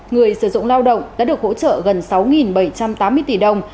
người sử dụng lao động đã được hỗ trợ gần sáu bảy trăm tám mươi tỷ đồng